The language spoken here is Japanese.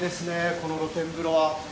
この露天風呂は。